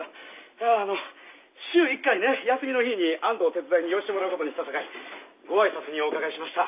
いやあの週１回ね休みの日に安藤を手伝いに寄してもらうことにしたさかいご挨拶にお伺いしました。